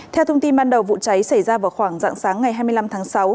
theo thông tin ban đầu vụ cháy xảy ra vào khoảng dạng sáng ngày hai mươi năm tháng sáu